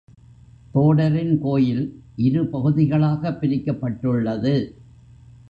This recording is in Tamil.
தோடரின் கோயில் இரு பகுதிகளாகப் பிரிக்கப்பட்டுள்ளது.